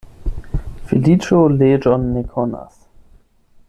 Feliĉo leĝon ne konas.